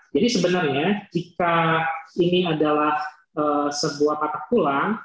jadi sebenarnya jika ini adalah sebuah patah tulang